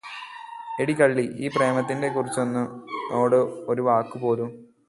എടീ കള്ളീ ഈ പ്രേമത്തിനെ കുറിച്ചെന്നോട് ഒരു വാക്കുപോലും